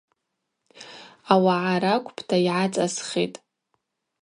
Ауагӏа ракӏвпӏта – йгӏацӏасхитӏ.